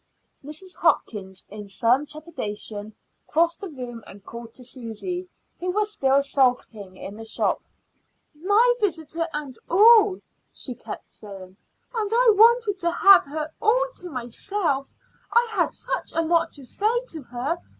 Mrs. Hopkins, in some trepidation, crossed the room and called to Susy, who was still sulking in the shop. "My visitor and all," she kept saying. "And I wanted to have her all to myself; I had such a lot to say to her.